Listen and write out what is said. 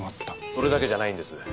それだけじゃないんです。